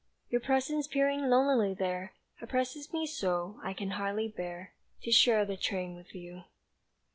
Your presence peering lonelily there Oppresses me so, I can hardly bear To share the train with you.